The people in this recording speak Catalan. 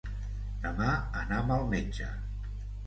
Demà anam al metge.